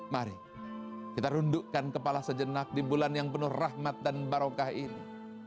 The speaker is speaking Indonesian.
mari kita rundukkan kepala sejenak di bulan yang penuh rahmat dan barokah ini